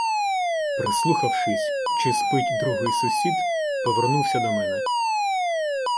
Прислухавшись, чи спить другий сусід, повернувся до мене.